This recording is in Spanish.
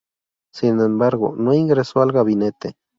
Sin embargo, no ingresó al Gabinete.